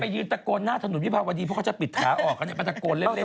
ไปยืนตะโกนหน้าถนุดวิภาพวรรดีไม่ค่อยพวกเขาจะปิดสนุนออกจะไปตะโกนเร่งก่อน